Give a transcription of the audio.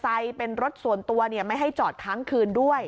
เป็นรถส่วนตัวไม่ให้จอดค้างคืนด้วย